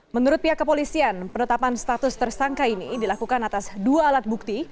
menurut pihak kepolisian penetapan status tersangka ini dilakukan atas dua alat bukti